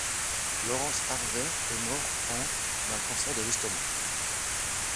Laurence Harvey est mort en d'un cancer de l'estomac.